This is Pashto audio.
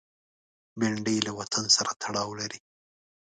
بېنډۍ له وطن سره تړاو لري